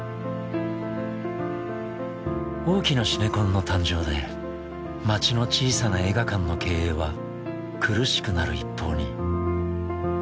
大きなシネコンの誕生で街の小さな映画館の経営は苦しくなる一方に。